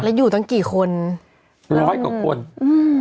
แล้วอยู่ตั้งกี่คนร้อยกว่าคนอืม